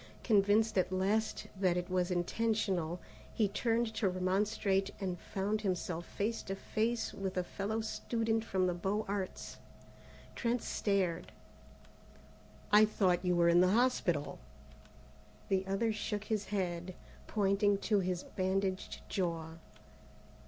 Convinced at last that it was intentional, he turned to remonstrate and found himself face to face with a fellow student from the Beaux Arts. Trent stared. "I thought you were in the hospital!" The other shook his head, pointing to his bandaged jaw.